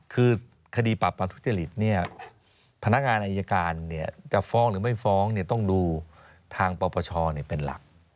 คือคดีปราบปรามทุจริตพนักงานอายการจะฟ้องหรือไม่ฟ้องต้องดูทางปปชเป็นหลัก